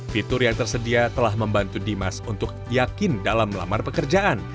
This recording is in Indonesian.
fitur yang tersedia telah membantu dimas untuk yakin dalam melamar pekerjaan